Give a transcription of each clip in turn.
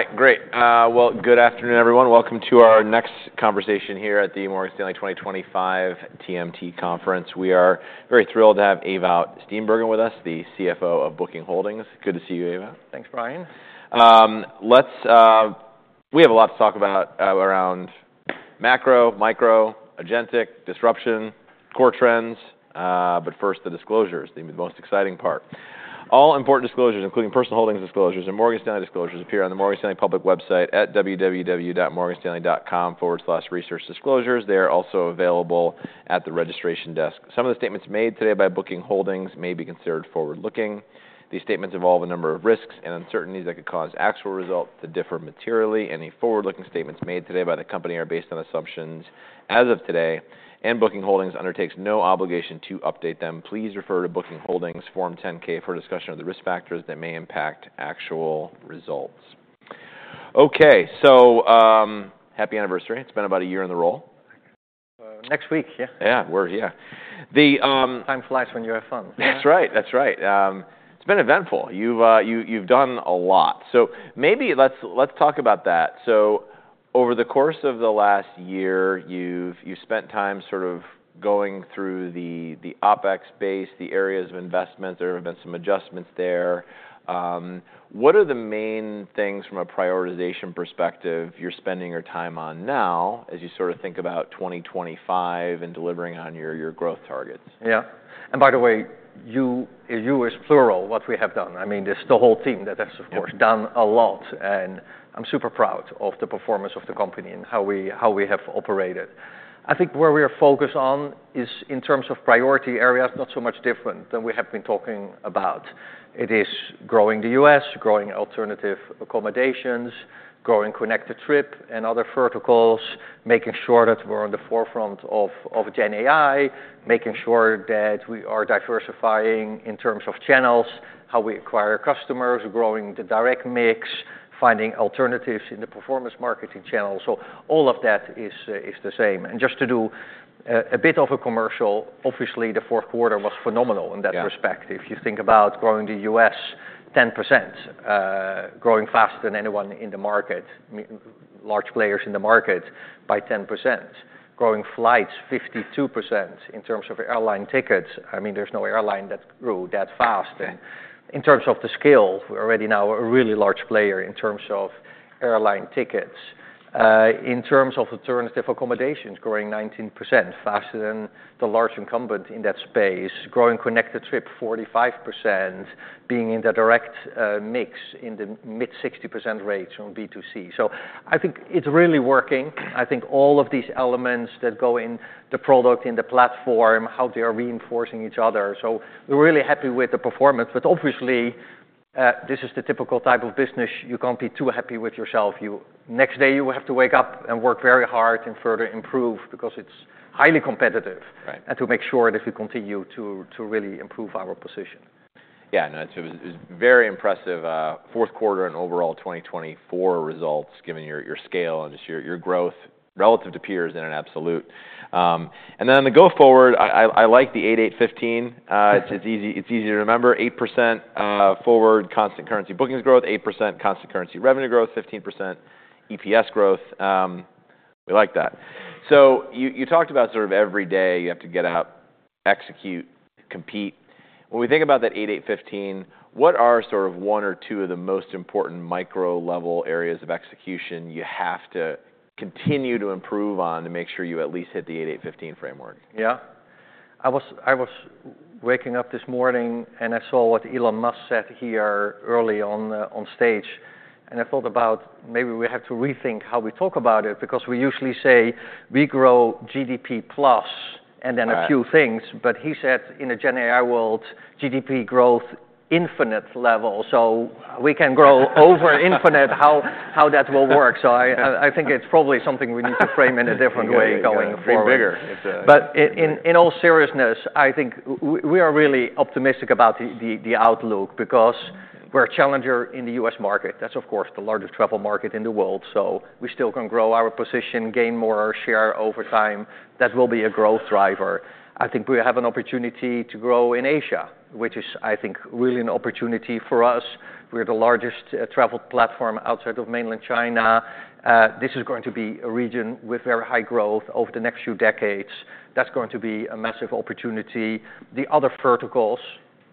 All right, great. Well, good afternoon, everyone. Welcome to our next conversation here at the Morgan Stanley 2025 TMT Conference. We are very thrilled to have Ewout Steenbergen with us, the CFO of Booking Holdings. Good to see you, Ewout. Thanks, Brian. We have a lot to talk about around macro, micro, agentic, disruption, core trends, but first, the disclosures, the most exciting part. All important disclosures, including personal holdings disclosures and Morgan Stanley disclosures, appear on the Morgan Stanley public website at www.morganstanley.com/researchdisclosures. They are also available at the registration desk. Some of the statements made today by Booking Holdings may be considered forward-looking. These statements involve a number of risks and uncertainties that could cause actual results to differ materially. Any forward-looking statements made today by the company are based on assumptions as of today, and Booking Holdings undertakes no obligation to update them. Please refer to Booking Holdings Form 10-K for discussion of the risk factors that may impact actual results. Okay, so happy anniversary. It's been about a year in the role. Next week, yeah. Yeah, yeah. Time flies when you have fun. That's right, that's right. It's been eventful. You've done a lot. So maybe let's talk about that. So over the course of the last year, you've spent time sort of going through the OpEx base, the areas of investment. There have been some adjustments there. What are the main things from a prioritization perspective you're spending your time on now as you sort of think about 2025 and delivering on your growth targets? Yeah. And by the way, you is plural what we have done. I mean, it's the whole team that has, of course, done a lot, and I'm super proud of the performance of the company and how we have operated. I think where we are focused on is in terms of priority areas, not so much different than we have been talking about. It is growing the U.S., growing alternative accommodations, growing Connected Trip and other verticals, making sure that we're on the forefront of GenAI, making sure that we are diversifying in terms of channels, how we acquire customers, growing the direct mix, finding alternatives in the performance marketing channel. So all of that is the same. And just to do a bit of a commercial, obviously, the fourth quarter was phenomenal in that respect. If you think about growing the U.S. 10%, growing faster than anyone in the market, large players in the market by 10%, growing flights 52% in terms of airline tickets. I mean, there's no airline that grew that fast. And in terms of the scale, we're already now a really large player in terms of airline tickets. In terms of alternative accommodations, growing 19%, faster than the large incumbent in that space, growing Connected Trip 45%, being in the Direct Mix in the mid 60% rates on B2C. So I think it's really working. I think all of these elements that go in the product, in the platform, how they are reinforcing each other. So we're really happy with the performance, but obviously, this is the typical type of business. You can't be too happy with yourself. Next day, you will have to wake up and work very hard and further improve because it's highly competitive and to make sure that we continue to really improve our position. Yeah, no, it was very impressive fourth quarter and overall 2024 results, given your scale and just your growth relative to peers in an absolute and then on the go-forward, I like the 8815. It's easy to remember. 8% forward constant currency bookings growth, 8% constant currency revenue growth, 15% EPS growth. We like that, so you talked about sort of every day you have to get out, execute, compete. When we think about that 8815, what are sort of one or two of the most important micro-level areas of execution you have to continue to improve on to make sure you at least hit the 8815 framework? Yeah. I was waking up this morning and I saw what Elon Musk said here early on stage, and I thought about maybe we have to rethink how we talk about it because we usually say we grow GDP plus and then a few things, but he said in the GenAI world, GDP growth infinite level. So we can grow over infinite. How that will work? So I think it's probably something we need to frame in a different way going forward. It's getting bigger. But in all seriousness, I think we are really optimistic about the outlook because we're a challenger in the U.S. market. That's, of course, the largest travel market in the world. So we still can grow our position, gain more share over time. That will be a growth driver. I think we have an opportunity to grow in Asia, which is, I think, really an opportunity for us. We're the largest travel platform outside of mainland China. This is going to be a region with very high growth over the next few decades. That's going to be a massive opportunity. The other verticals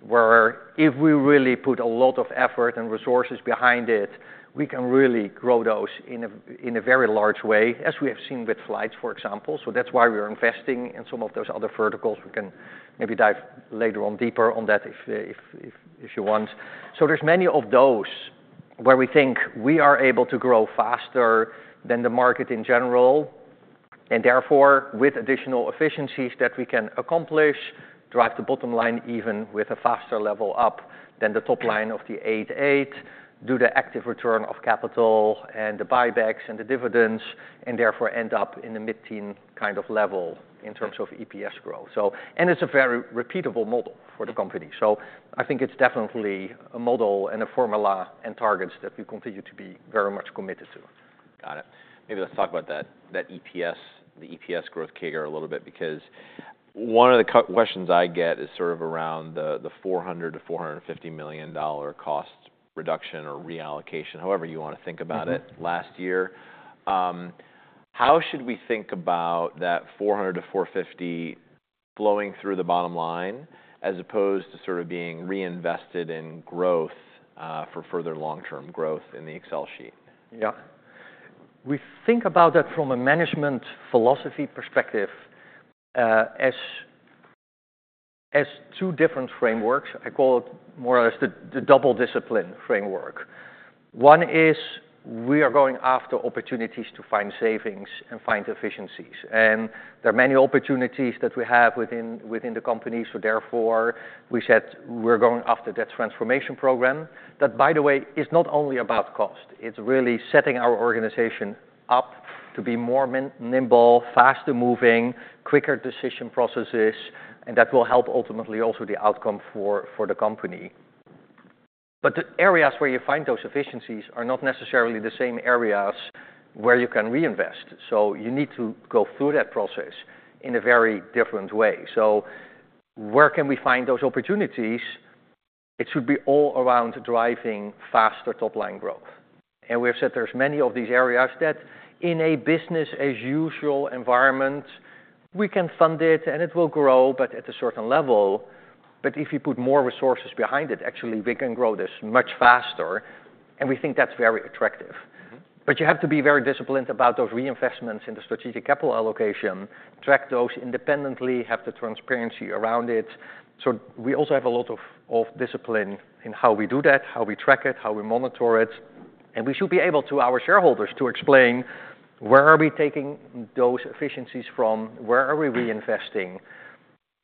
where if we really put a lot of effort and resources behind it, we can really grow those in a very large way, as we have seen with flights, for example. So that's why we're investing in some of those other verticals. We can maybe dive later on deeper on that if you want, so there's many of those where we think we are able to grow faster than the market in general, and therefore with additional efficiencies that we can accomplish, drive the bottom line even with a faster level up than the top line of the 88, do the active return of capital and the buybacks and the dividends, and therefore end up in the mid-teen kind of level in terms of EPS growth, and it's a very repeatable model for the company, so I think it's definitely a model and a formula and targets that we continue to be very much committed to. Got it. Maybe let's talk about that EPS, the EPS growth kicker a little bit, because one of the questions I get is sort of around the $400-$450 million cost reduction or reallocation, however you want to think about it, last year. How should we think about that $400-$450 flowing through the bottom line as opposed to sort of being reinvested in growth for further long-term growth in the Excel sheet? Yeah. We think about that from a management philosophy perspective as two different frameworks. I call it more or less the double discipline framework. One is we are going after opportunities to find savings and find efficiencies. And there are many opportunities that we have within the company, so therefore we said we're going after that transformation program that, by the way, is not only about cost. It's really setting our organization up to be more nimble, faster-moving, quicker decision processes, and that will help ultimately also the outcome for the company. But the areas where you find those efficiencies are not necessarily the same areas where you can reinvest. So you need to go through that process in a very different way. So where can we find those opportunities? It should be all around driving faster top-line growth. And we have said there's many of these areas that in a business-as-usual environment, we can fund it and it will grow, but at a certain level. But if you put more resources behind it, actually, we can grow this much faster, and we think that's very attractive. But you have to be very disciplined about those reinvestments in the strategic capital allocation, track those independently, have the transparency around it. So we also have a lot of discipline in how we do that, how we track it, how we monitor it. And we should be able to our shareholders to explain where are we taking those efficiencies from, where are we reinvesting.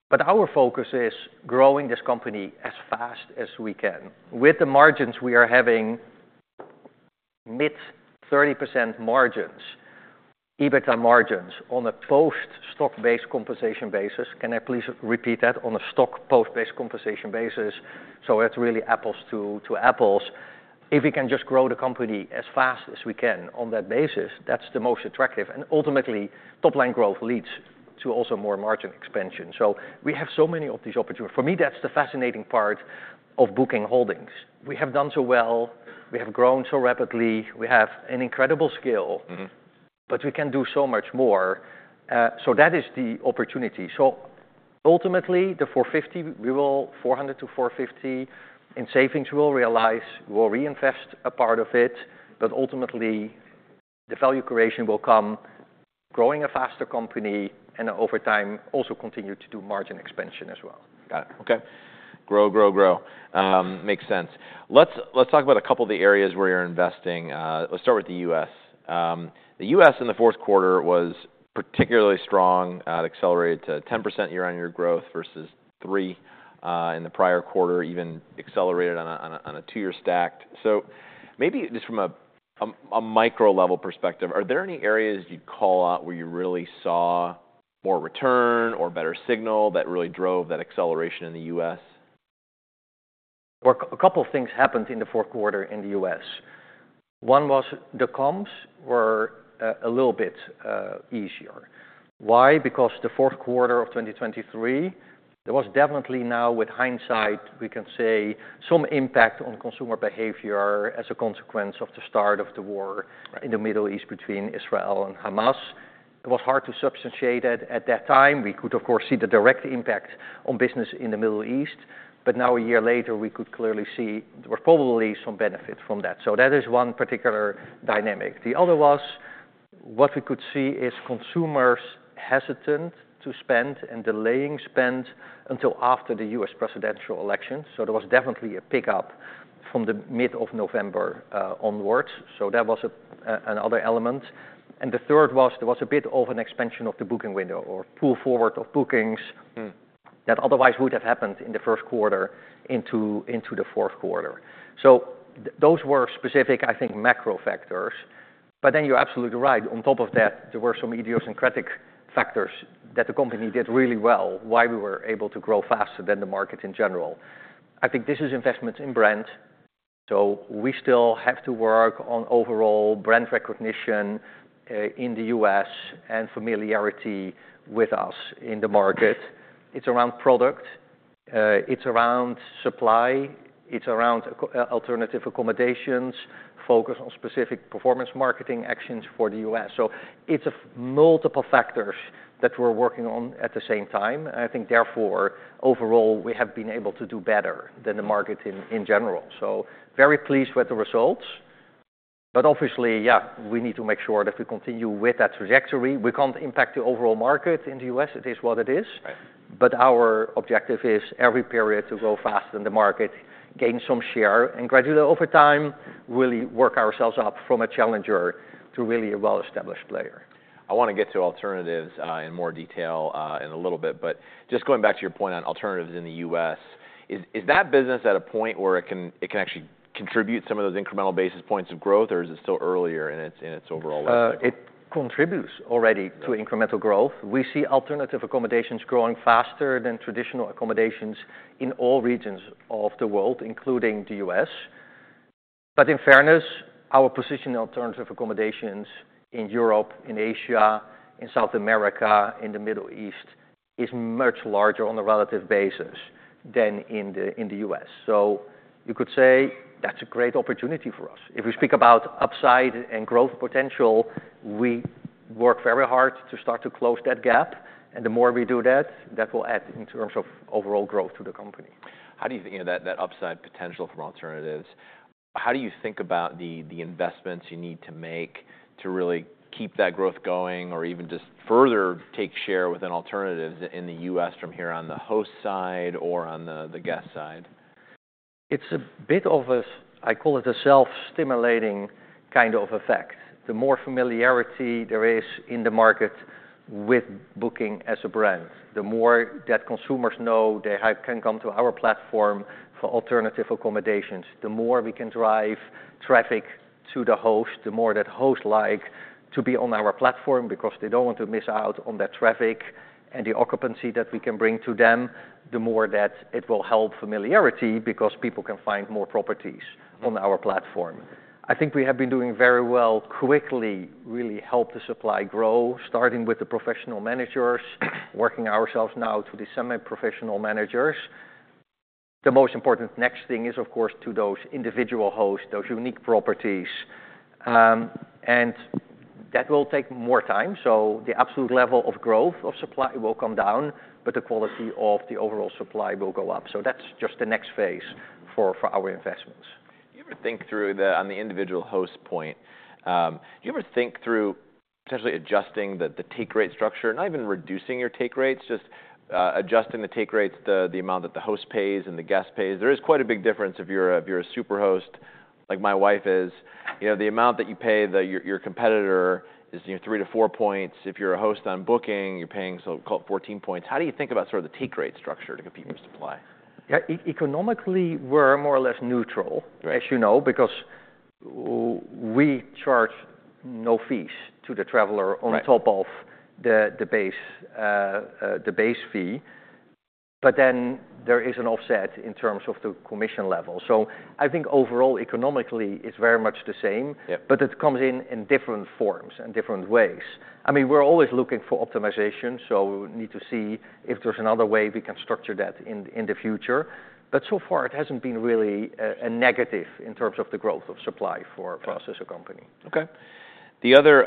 But our focus is growing this company as fast as we can. With the margins, we are having mid-30% margins, EBITDA margins on a post-stock-based compensation basis. Can I please repeat that? On a stock post-based compensation basis. So it's really apples to apples. If we can just grow the company as fast as we can on that basis, that's the most attractive. And ultimately, top-line growth leads to also more margin expansion. So we have so many of these opportunities. For me, that's the fascinating part of Booking Holdings. We have done so well. We have grown so rapidly. We have an incredible skill, but we can do so much more. So that is the opportunity. So ultimately, the $450, we will $400-$450 in savings, we'll realize, we'll reinvest a part of it, but ultimately, the value creation will come growing a faster company and over time also continue to do margin expansion as well. Got it. Okay. Grow, grow, grow. Makes sense. Let's talk about a couple of the areas where you're investing. Let's start with the U.S..The U.S. in the fourth quarter was particularly strong. It accelerated to 10% year-on-year growth versus 3% in the prior quarter, even accelerated on a two-year stack. So maybe just from a micro-level perspective, are there any areas you'd call out where you really saw more return or better signal that really drove that acceleration in the U.S.? A couple of things happened in the fourth quarter in the U.S. One was the comps were a little bit easier. Why? Because the fourth quarter of 2023, there was definitely now, with hindsight, we can say some impact on consumer behavior as a consequence of the start of the war in the Middle East between Israel and Hamas. It was hard to substantiate it at that time. We could, of course, see the direct impact on business in the Middle East, but now a year later, we could clearly see there was probably some benefit from that. So that is one particular dynamic. The other was what we could see is consumers hesitant to spend and delaying spend until after the U.S. presidential election. So there was definitely a pickup from the mid of November onwards. So that was another element. And the third was there was a bit of an expansion of the booking window or pull forward of bookings that otherwise would have happened in the first quarter into the fourth quarter. So those were specific, I think, macro factors. But then you're absolutely right. On top of that, there were some idiosyncratic factors that the company did really well, why we were able to grow faster than the market in general. I think this is investments in brand. So we still have to work on overall brand recognition in the U.S. and familiarity with us in the market. It's around product. It's around supply. It's around alternative accommodations, focus on specific performance marketing actions for the U.S. So it's multiple factors that we're working on at the same time. I think therefore, overall, we have been able to do better than the market in general. So very pleased with the results. But obviously, yeah, we need to make sure that we continue with that trajectory. We can't impact the overall market in the U.S. It is what it is. But our objective is every period to grow faster than the market, gain some share, and gradually over time really work ourselves up from a challenger to really a well-established player. I want to get to alternatives in more detail in a little bit, but just going back to your point on alternatives in the U.S., is that business at a point where it can actually contribute some of those incremental basis points of growth, or is it still earlier in its overall lifecycle? It contributes already to incremental growth. We see alternative accommodations growing faster than traditional accommodations in all regions of the world, including the U.S. But in fairness, our position in alternative accommodations in Europe, in Asia, in South America, in the Middle East is much larger on a relative basis than in the U.S. So you could say that's a great opportunity for us. If we speak about upside and growth potential, we work very hard to start to close that gap. And the more we do that, that will add in terms of overall growth to the company. How do you think about that upside potential from alternatives? How do you think about the investments you need to make to really keep that growth going or even just further take share within alternatives in the U.S. from here on the host side or on the guest side? It's a bit of a, I call it a self-stimulating kind of effect. The more familiarity there is in the market with Booking as a brand, the more that consumers know they can come to our platform for alternative accommodations, the more we can drive traffic to the host, the more that host like to be on our platform because they don't want to miss out on that traffic and the occupancy that we can bring to them, the more that it will help familiarity because people can find more properties on our platform. I think we have been doing very well, quickly really helping the supply grow, starting with the professional managers, working our way now to the semi-professional managers. The most important next thing is, of course, getting to those individual hosts, those unique properties, and that will take more time. So the absolute level of growth of supply will come down, but the quality of the overall supply will go up. So that's just the next phase for our investments. Do you ever think through the individual host point? Do you ever think through potentially adjusting the take rate structure, not even reducing your take rates, just adjusting the take rates, the amount that the host pays and the guest pays? There is quite a big difference if you're a Superhost, like my wife is. The amount that you pay, your competitor is three to four points. If you're a host on Booking, you're paying 14 points. How do you think about sort of the take rate structure to compete with supply? Yeah. Economically, we're more or less neutral, as you know, because we charge no fees to the traveler on top of the base fee. But then there is an offset in terms of the commission level. So I think overall economically, it's very much the same, but it comes in different forms and different ways. I mean, we're always looking for optimization. So we need to see if there's another way we can structure that in the future. But so far, it hasn't been really a negative in terms of the growth of supply for us as a company. Okay. The other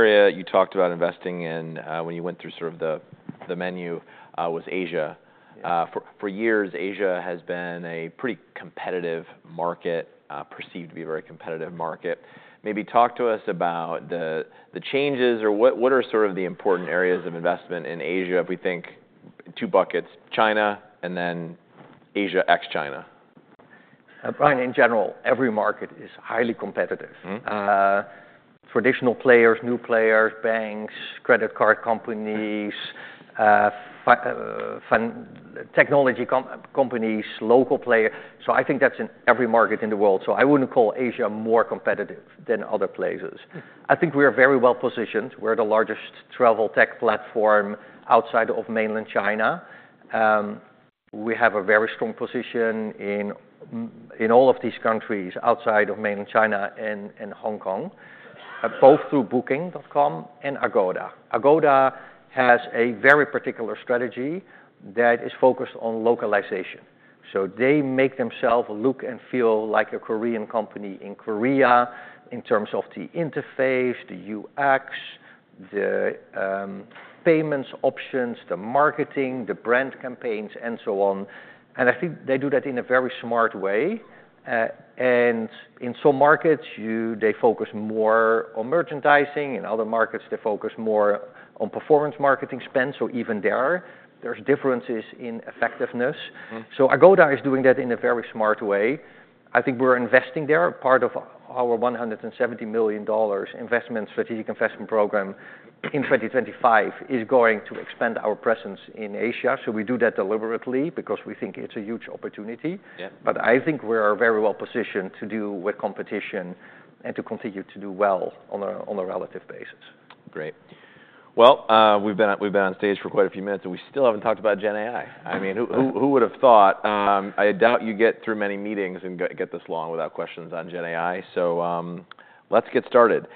area you talked about investing in when you went through sort of the menu was Asia. For years, Asia has been a pretty competitive market, perceived to be a very competitive market. Maybe talk to us about the changes or what are sort of the important areas of investment in Asia, if we think two buckets, China and then Asia ex-China? Brian, in general, every market is highly competitive. Traditional players, new players, banks, credit card companies, technology companies, local players. So I think that's in every market in the world. So I wouldn't call Asia more competitive than other places. I think we are very well positioned. We're the largest travel tech platform outside of mainland China. We have a very strong position in all of these countries outside of mainland China and Hong Kong, both through Booking.com and Agoda. Agoda has a very particular strategy that is focused on localization. So they make themselves look and feel like a Korean company in Korea in terms of the interface, the UX, the payment options, the marketing, the brand campaigns, and so on. And in some markets, they focus more on merchandising. In other markets, they focus more on performance marketing spend. So even there, there's differences in effectiveness. So Agoda is doing that in a very smart way. I think we're investing there. Part of our $170 million investment strategic investment program in 2025 is going to expand our presence in Asia. So we do that deliberately because we think it's a huge opportunity. But I think we're very well positioned to deal with competition and to continue to do well on a relative basis. Great. Well, we've been on stage for quite a few minutes, and we still haven't talked about GenAI. I mean, who would have thought? I doubt you get through many meetings and get this long without questions on GenAI. So let's get started.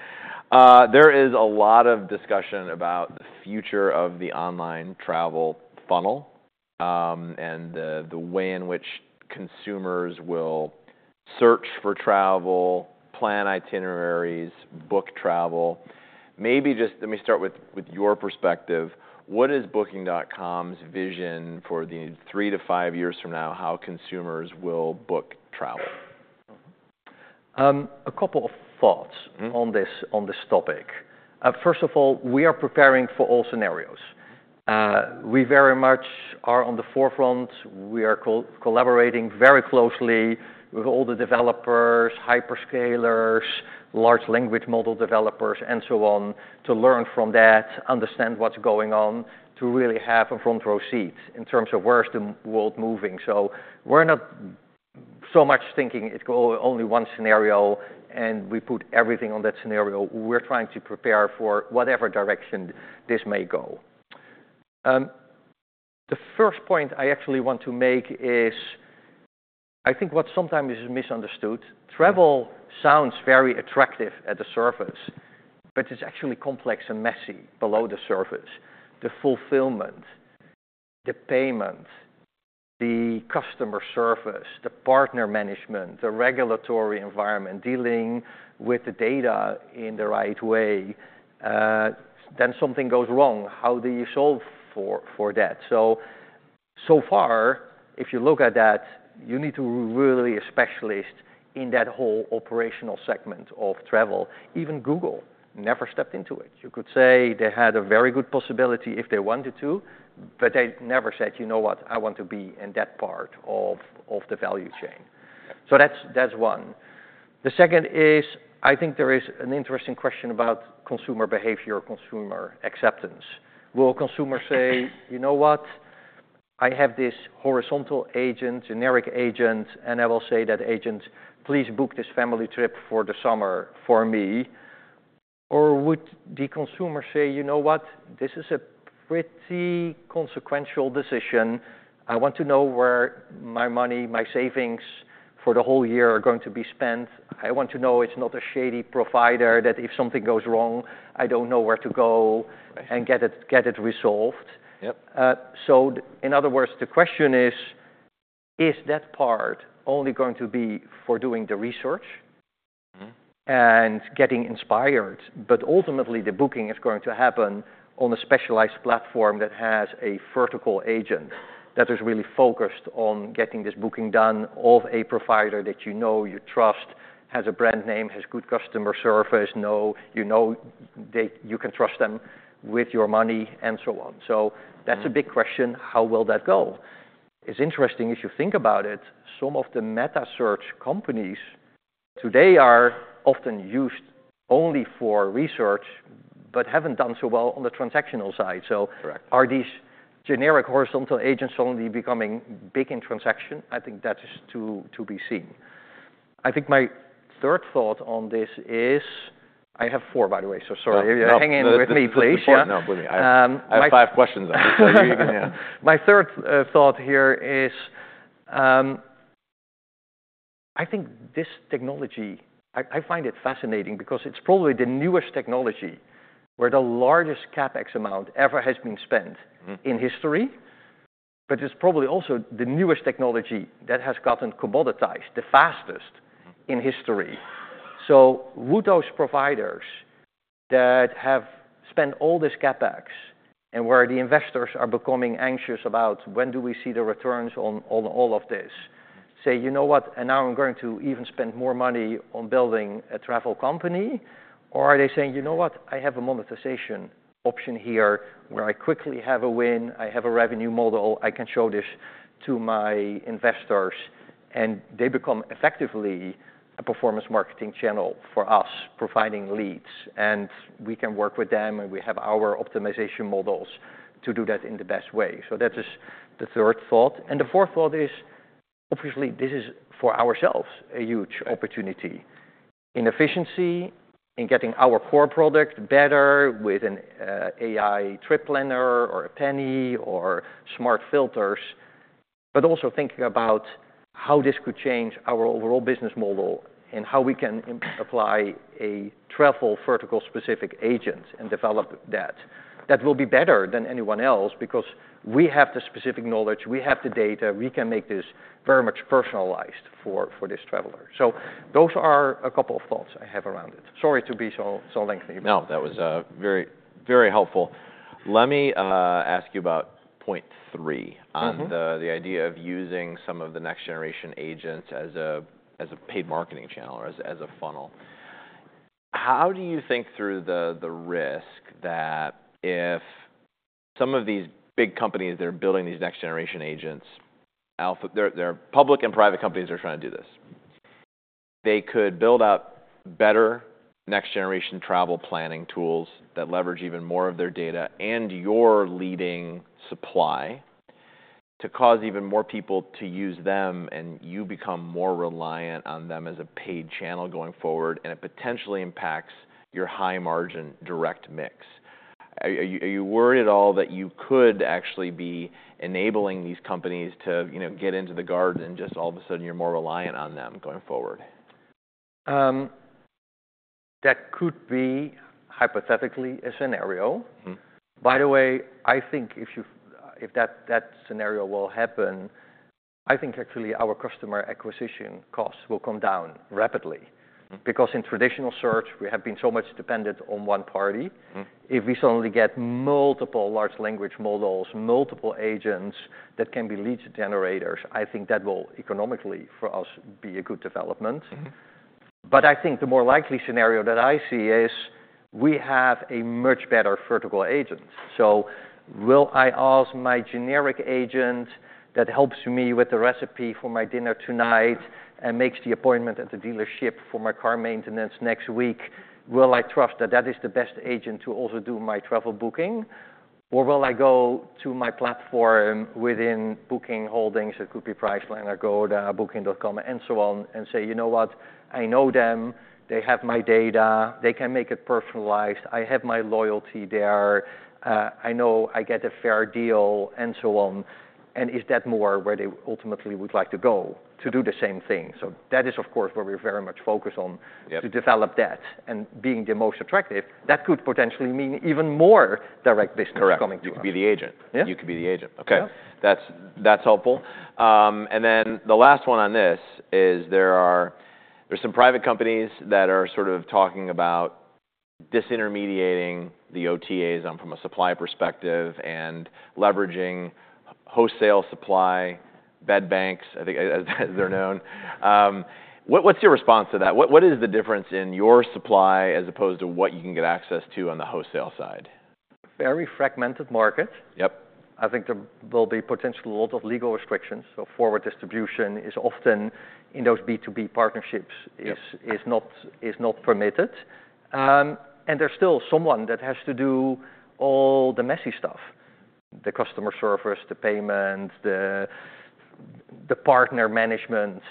There is a lot of discussion about the future of the online travel funnel and the way in which consumers will search for travel, plan itineraries, book travel. Maybe just let me start with your perspective. What is Booking.com's vision for the three to five years from now, how consumers will book travel? A couple of thoughts on this topic. First of all, we are preparing for all scenarios. We very much are on the forefront. We are collaborating very closely with all the developers, hyperscalers, large language model developers, and so on to learn from that, understand what's going on, to really have a front row seat in terms of where's the world moving. So we're not so much thinking it's only one scenario, and we put everything on that scenario. We're trying to prepare for whatever direction this may go. The first point I actually want to make is, I think what sometimes is misunderstood. Travel sounds very attractive at the surface, but it's actually complex and messy below the surface. The fulfillment, the payment, the customer service, the partner management, the regulatory environment, dealing with the data in the right way. Then something goes wrong. How do you solve for that? So far, if you look at that, you need to really be a specialist in that whole operational segment of travel. Even Google never stepped into it. You could say they had a very good possibility if they wanted to, but they never said, you know what, I want to be in that part of the value chain. So that's one. The second is, I think there is an interesting question about consumer behavior, consumer acceptance. Will consumers say, you know what, I have this horizontal agent, generic agent, and I will say that agent, please book this family trip for the summer for me? Or would the consumer say, you know what, this is a pretty consequential decision. I want to know where my money, my savings for the whole year are going to be spent? I want to know it's not a shady provider that if something goes wrong, I don't know where to go and get it resolved. So in other words, the question is, is that part only going to be for doing the research and getting inspired? But ultimately, the booking is going to happen on a specialized platform that has a vertical agent that is really focused on getting this booking done of a provider that you know, you trust, has a brand name, has good customer service, you can trust them with your money, and so on. So that's a big question. How will that go? It's interesting if you think about it, some of the meta search companies today are often used only for research, but haven't done so well on the transactional side. So are these generic horizontal agents only becoming big in transaction? I think that is to be seen. I think my third thought on this is, I have four, by the way, so sorry. Hang in with me, please. No, please. I have five questions on this. My third thought here is, I think this technology, I find it fascinating because it's probably the newest technology where the largest CapEx amount ever has been spent in history, but it's probably also the newest technology that has gotten commoditized the fastest in history. So would those providers that have spent all this CapEx and where the investors are becoming anxious about when do we see the returns on all of this say, you know what, and now I'm going to even spend more money on building a travel company? Or are they saying, you know what, I have a monetization option here where I quickly have a win, I have a revenue model, I can show this to my investors, and they become effectively a performance marketing channel for us providing leads, and we can work with them and we have our optimization models to do that in the best way. So that is the third thought. And the fourth thought is, obviously, this is for ourselves a huge opportunity. Inefficiency in getting our core product better with an AI trip planner or a Penny or smart filters, but also thinking about how this could change our overall business model and how we can apply a travel vertical-specific agent and develop that. That will be better than anyone else because we have the specific knowledge, we have the data, we can make this very much personalized for this traveler. So those are a couple of thoughts I have around it. Sorry to be so lengthy. No, that was very helpful. Let me ask you about point three on the idea of using some of the next generation agents as a paid marketing channel or as a funnel. How do you think through the risk that if some of these big companies that are building these next generation agents, they're public and private companies that are trying to do this, they could build up better next generation travel planning tools that leverage even more of their data and your leading supply to cause even more people to use them and you become more reliant on them as a paid channel going forward and it potentially impacts your high margin direct mix. Are you worried at all that you could actually be enabling these companies to get into the game and just all of a sudden you're more reliant on them going forward? That could be hypothetically a scenario. By the way, I think if that scenario will happen, I think actually our customer acquisition costs will come down rapidly because in traditional search, we have been so much dependent on one party. If we suddenly get multiple large language models, multiple agents that can be lead generators, I think that will economically for us be a good development. But I think the more likely scenario that I see is we have a much better vertical agent. So will I ask my generic agent that helps me with the recipe for my dinner tonight and makes the appointment at the dealership for my car maintenance next week? Will I trust that that is the best agent to also do my travel booking? Or will I go to my platform within Booking Holdings, it could be Priceline, Agoda, Booking.com, and so on, and say, you know what, I know them, they have my data, they can make it personalized, I have my loyalty there, I know I get a fair deal, and so on? And is that more where they ultimately would like to go to do the same thing? So that is, of course, what we're very much focused on to develop that and being the most attractive. That could potentially mean even more direct business coming to us. Correct. You could be the agent. Okay. That's helpful. And then the last one on this is there are some private companies that are sort of talking about disintermediating the OTAs from a supply perspective and leveraging wholesale supply, Bed Banks, I think as they're known. What's your response to that? What is the difference in your supply as opposed to what you can get access to on the wholesale side? Very fragmented market. I think there will be potentially a lot of legal restrictions. So forward distribution is often, in those B2B partnerships, not permitted. And there's still someone that has to do all the messy stuff, the customer service, the payment, the partner management.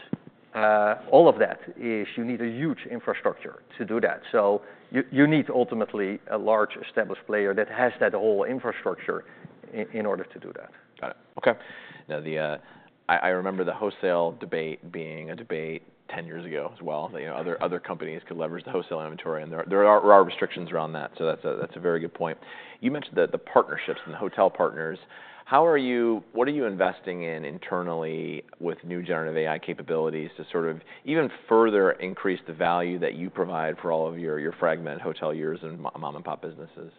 All of that is you need a huge infrastructure to do that. So you need ultimately a large established player that has that whole infrastructure in order to do that. Got it. Okay. Now, I remember the wholesale debate being a debate 10 years ago as well. Other companies could leverage the wholesale inventory and there are restrictions around that. So that's a very good point. You mentioned that the partnerships and the hotel partners, what are you investing in internally with new generative AI capabilities to sort of even further increase the value that you provide for all of your fragmented hoteliers and mom-and-pop businesses?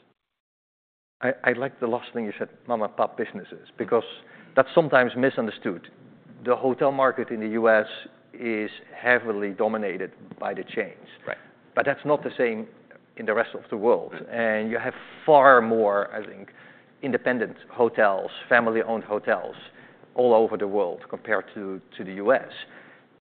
I like the last thing you said, mom-and-pop businesses, because that's sometimes misunderstood. The hotel market in the U.S. is heavily dominated by the chains, but that's not the same in the rest of the world, and you have far more, I think, independent hotels, family-owned hotels all over the world compared to the U.S.,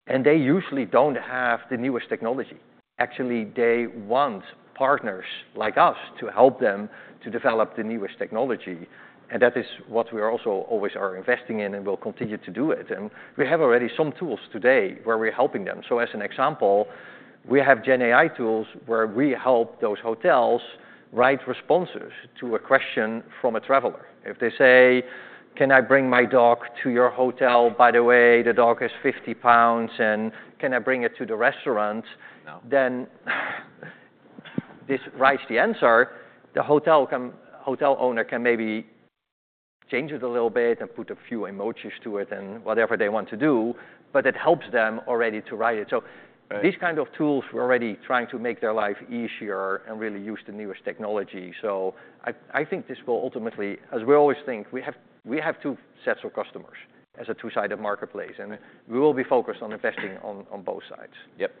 and they usually don't have the newest technology. Actually, they want partners like us to help them to develop the newest technology, and that is what we are also always investing in and will continue to do it, and we have already some tools today where we're helping them, so as an example, we have GenAI tools where we help those hotels write responses to a question from a traveler, if they say, "Can I bring my dog to your hotel? By the way, the dog is 50 lbs and can I bring it to the restaurant? Then this writes the answer. The hotel owner can maybe change it a little bit and put a few emojis to it and whatever they want to do, but it helps them already to write it. So these kinds of tools are already trying to make their life easier and really use the newest technology. So I think this will ultimately, as we always think, we have two sets of customers as a two-sided marketplace, and we will be focused on investing on both sides. Yep.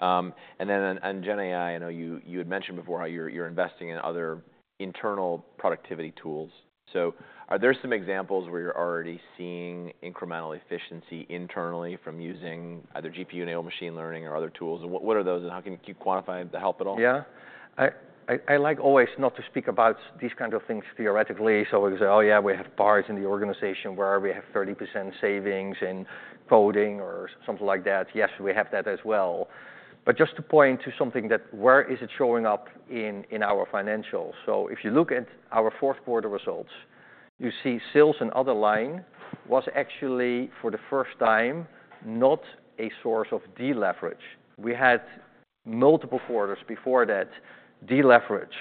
And then on GenAI, I know you had mentioned before how you're investing in other internal productivity tools. So are there some examples where you're already seeing incremental efficiency internally from using either GPU and AI machine learning or other tools? What are those and how can you quantify the help at all? Yeah. I like always not to speak about these kinds of things theoretically. So we say, oh yeah, we have bars in the organization where we have 30% savings in coding or something like that. Yes, we have that as well. But just to point to something that where is it showing up in our financials? So if you look at our fourth quarter results, you see Sales and Other line was actually for the first time not a source of deleverage. We had multiple quarters before that deleverage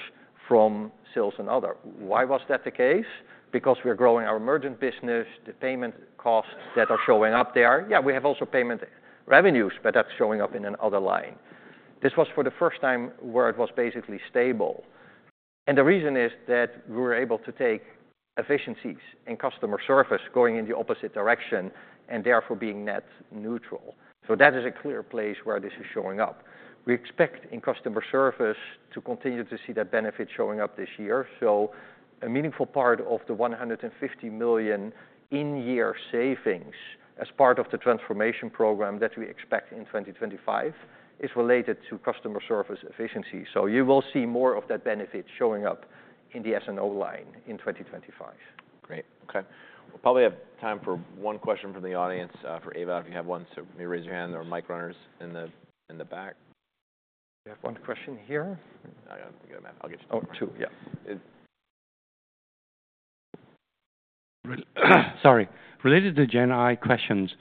from Sales and Other. Why was that the case? Because we're growing our emergent business, the payment costs that are showing up there. Yeah, we have also payment revenues, but that's showing up in another line. This was for the first time where it was basically stable. The reason is that we were able to take efficiencies in customer service going in the opposite direction and therefore being net neutral. That is a clear place where this is showing up. We expect in customer service to continue to see that benefit showing up this year. A meaningful part of the $150 million in-year savings as part of the transformation program that we expect in 2025 is related to customer service efficiency. You will see more of that benefit showing up in the S&O line in 2025. Great. Okay. We'll probably have time for one question from the audience for Ava, if you have one. So maybe raise your hand or mic runners in the back. Do you have one question here? I'll get you to two. Oh, two. Yeah. Sorry. Related to GenAI questions,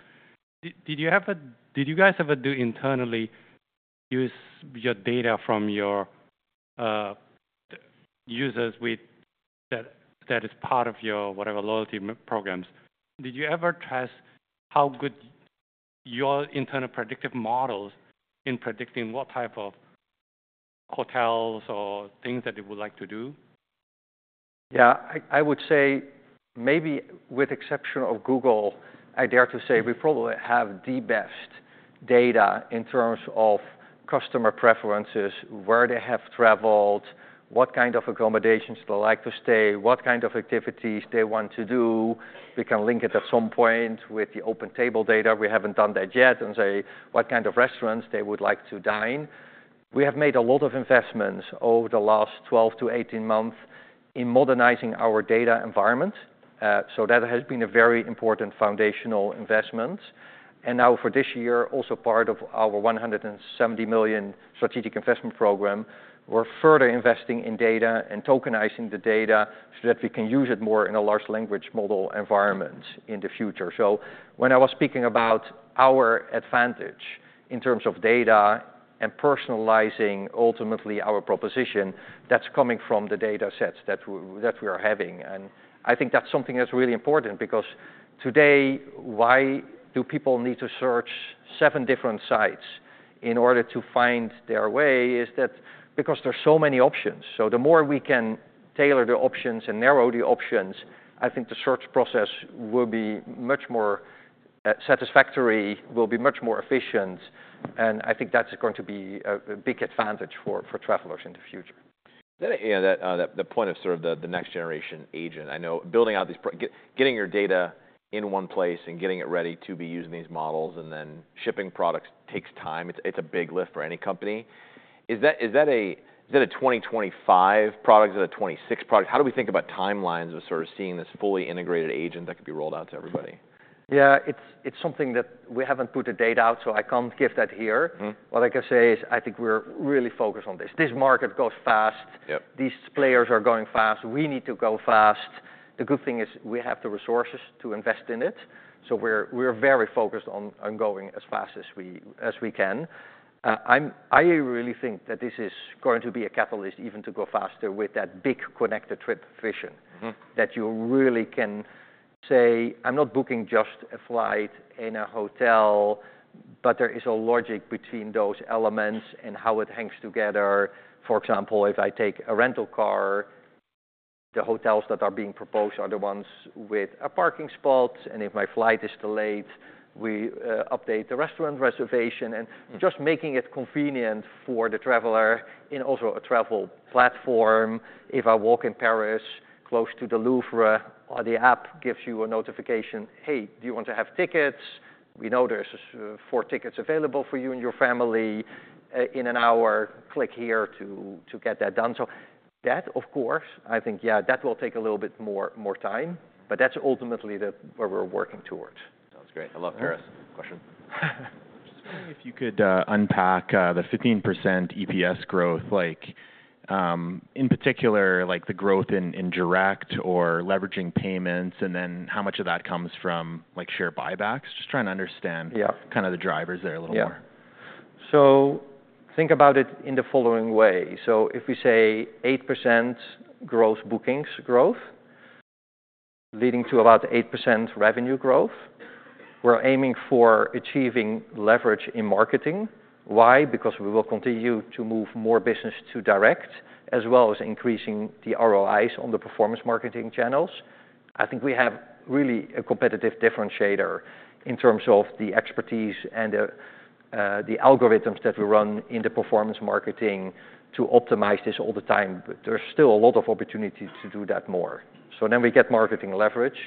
did you guys ever do internally use your data from your users that is part of your whatever loyalty programs? Did you ever test how good your internal predictive models in predicting what type of hotels or things that they would like to do? Yeah. I would say maybe with the exception of Google, I dare to say we probably have the best data in terms of customer preferences, where they have traveled, what kind of accommodations they like to stay, what kind of activities they want to do. We can link it at some point with the OpenTable data. We haven't done that yet and say what kind of restaurants they would like to dine. We have made a lot of investments over the last 12 to 18 months in modernizing our data environment. So that has been a very important foundational investment. And now for this year, also part of our $170 million strategic investment program, we're further investing in data and tokenizing the data so that we can use it more in a large language model environment in the future. So when I was speaking about our advantage in terms of data and personalizing ultimately our proposition, that's coming from the data sets that we are having. And I think that's something that's really important because today, why do people need to search seven different sites in order to find their way? Is that because there's so many options? So the more we can tailor the options and narrow the options, I think the search process will be much more satisfactory, will be much more efficient. And I think that's going to be a big advantage for travelers in the future. The point of sort of the next generation agent, I know building out these, getting your data in one place and getting it ready to be using these models and then shipping products takes time. It's a big lift for any company. Is that a 2025 product? Is that a 2026 product? How do we think about timelines of sort of seeing this fully integrated agent that could be rolled out to everybody? Yeah, it's something that we haven't put the data out, so I can't give that here. What I can say is I think we're really focused on this. This market goes fast. These players are going fast. We need to go fast. The good thing is we have the resources to invest in it. So we're very focused on going as fast as we can. I really think that this is going to be a catalyst even to go faster with that big Connected Trip vision that you really can say, I'm not booking just a flight in a hotel, but there is a logic between those elements and how it hangs together. For example, if I take a rental car, the hotels that are being proposed are the ones with a parking spot. And if my flight is delayed, we update the restaurant reservation and just making it convenient for the traveler and also a travel platform. If I walk in Paris close to the Louvre, the app gives you a notification, hey, do you want to have tickets? We know there's four tickets available for you and your family in an hour. Click here to get that done. So that, of course, I think, yeah, that will take a little bit more time, but that's ultimately where we're working towards. Sounds great. I love Paris. Question. Just wondering if you could unpack the 15% EPS growth, in particular, the growth in direct or leveraging payments, and then how much of that comes from share buybacks. Just trying to understand kind of the drivers there a little more. Yeah. So think about it in the following way. So if we say 8% gross bookings growth, leading to about 8% revenue growth, we're aiming for achieving leverage in marketing. Why? Because we will continue to move more business to direct as well as increasing the ROIs on the performance marketing channels. I think we have really a competitive differentiator in terms of the expertise and the algorithms that we run in the performance marketing to optimize this all the time. There's still a lot of opportunity to do that more. So then we get marketing leverage.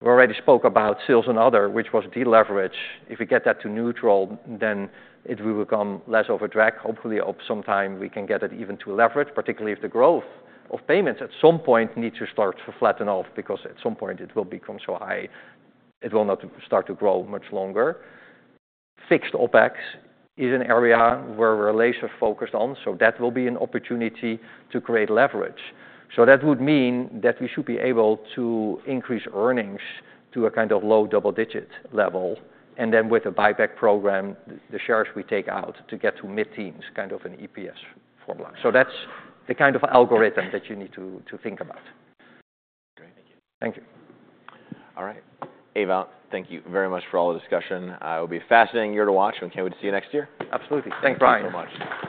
We already spoke about sales and other, which was deleverage. If we get that to neutral, then it will become less of a drag. Hopefully, sometime we can get it even to leverage, particularly if the growth of payments at some point needs to start to flatten off because at some point it will become so high it will not start to grow much longer. Fixed OpEx is an area where we're laser focused on, so that will be an opportunity to create leverage, so that would mean that we should be able to increase earnings to a kind of low double digit level, and then with a buyback program, the shares we take out to get to mid-teens kind of an EPS formula, so that's the kind of algorithm that you need to think about. Great. Thank you. Thank you. All right. Ewout, thank you very much for all the discussion. It will be a fascinating year to watch. We can't wait to see you next year. Absolutely. Thanks so much.